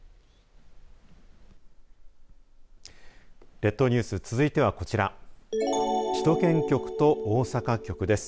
列島ニュース、続いてはこちら首都圏局と大阪局です。